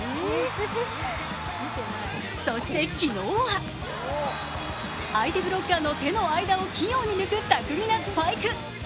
そして昨日は、相手ブロッカーの手の間を器用に抜く、巧みなスパイク。